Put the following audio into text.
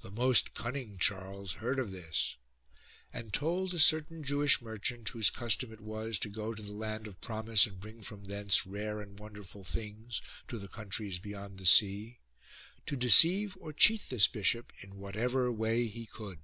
The most cunning Charles heard of this and told a certain Jewish merchant, whose custom it was to go to the land of promise and bring from thence rare and wonderful things to the countries beyond the sea, to deceive or cheat this bishop in whatever way he could.